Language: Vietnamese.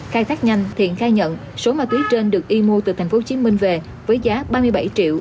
khai thác nhanh thiện khai nhận số ma túy trên được y mua từ tp hcm về với giá ba mươi bảy triệu